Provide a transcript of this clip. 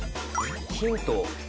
ヒント。